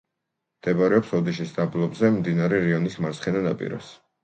მდებარეობს ოდიშის დაბლობზე, მდინარე რიონის მარცხენა ნაპირას.